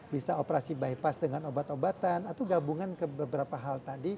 bisa operasi bypass dengan obat obatan atau gabungan ke beberapa hal tadi